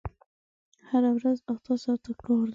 هره ورځ اته ساعته کار دی!